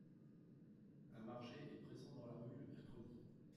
Un marché est présent dans la rue le mercredi.